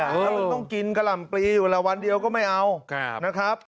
แล้วมันต้องกินกะหล่ำปลีเวลาวันเดียวก็ไม่เอานะครับ